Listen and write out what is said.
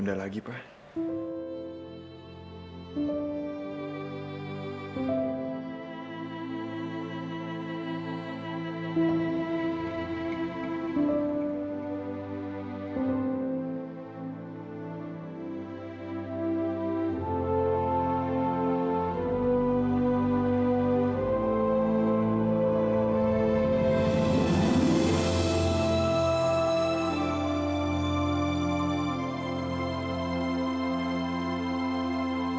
wah benar yang bintang